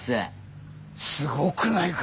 すごくないか？